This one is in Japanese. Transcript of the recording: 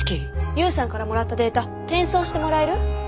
勇さんからもらったデータ転送してもらえる？